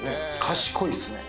賢いっすね。